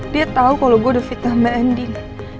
dia tau kalo gue udah fitah mbak endin